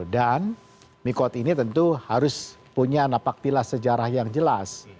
dan mikot ini tentu harus punya napaktilas sejarah yang jelas